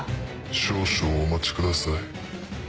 少々お待ちください。